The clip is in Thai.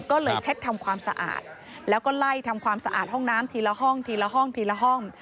ก็เลยเช็ดทำความสะอาดแล้วก็ไล่ทำความสะอาดห้องน้ำทีละห้องทีละห้องทีละห้อง